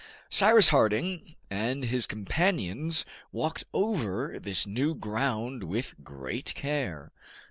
Cyrus Harding and his companions walked over this new ground with great care.